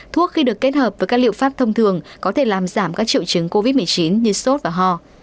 thuốc khi được kết hợp với các liệu pháp thông thường có thể làm giảm các triệu chứng covid một mươi chín như sốt và ho